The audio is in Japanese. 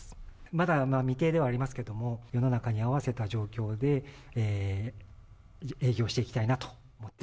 まだ未定ではありますけれども、世の中に合わせた状況で、営業していきたいなと。